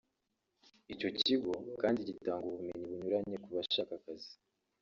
Icyo kigo kandi gitanga ubumenyi bunyuranye ku bashaka akazi